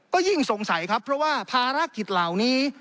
ก็ยิ่งสงสัยครับเพราะว่าภารกิจเหล่านี้